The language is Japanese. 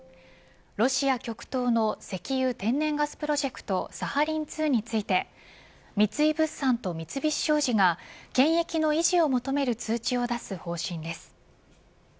ロシア極東の石油天然ガスプロジェクトサハリン２について三井物産と三菱商事が権益の維持を求める通知を出す方針です。